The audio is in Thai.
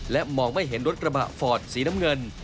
มองไม่เห็นรถกระบะฟอร์ดสีน้ำเงิน